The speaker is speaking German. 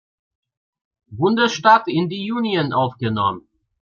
Bundesstaat in die Union aufgenommen.